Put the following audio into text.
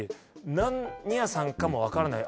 何屋さんかも分からない